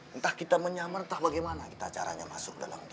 entah kita menyamar entah bagaimana kita caranya masuk dalam